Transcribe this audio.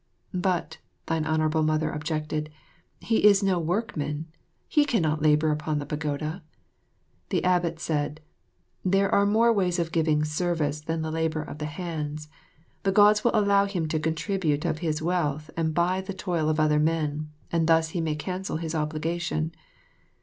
"But," thine Honourable Mother objected, "he is no workman. He cannot labour upon the Pagoda." The abbot said, "There are more ways of giving service than the labour of the hands. The Gods will allow him to contribute of his wealth and buy the toil of other men, and thus he may cancel his obligation."